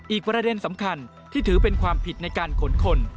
อีกประเด็นสำคัญที่ถือเป็นความผิดในการขนคน